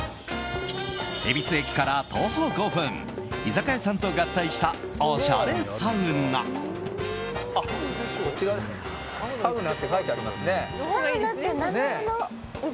恵比寿駅から徒歩５分居酒屋さんと合体したおしゃれサウナ。